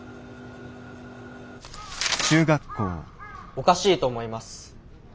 おかしいと思います。